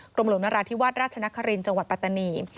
กรมหลวงราธิวัตรราชนครินต์จังหวัดปัตตานี